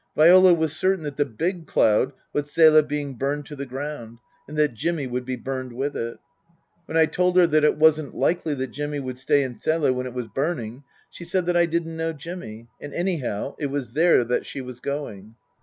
Viola was certain that the big cloud was Zele being burned to the ground, and that Jimmy would be burned with it. When I told her that it wasn't likely that Jimmy would stay in Zele when it was burning she said that I didn't know Jimmy, and anyhow it was there that she was going.